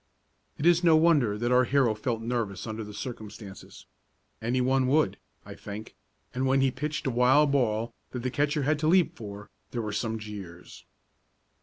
It is no wonder that our hero felt nervous under the circumstances. Anyone would, I think, and when he pitched a wild ball, that the catcher had to leap for, there were some jeers.